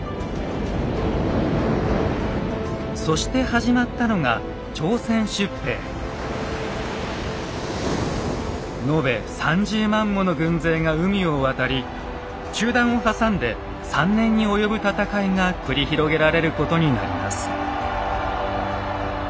そして始まったのが延べ３０万もの軍勢が海を渡り中断を挟んで３年に及ぶ戦いが繰り広げられることになります。